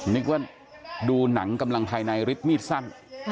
นึกว่าดูหนังกำลังภายในฤทธิมีดสั้น